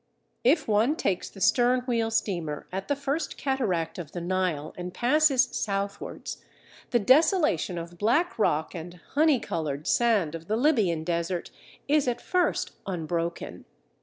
If one takes the sternwheel steamer at the First Cataract of the Nile and passes southwards, the desolation of black rock and "honey coloured" sand of the Libyan Desert is at first unbroken.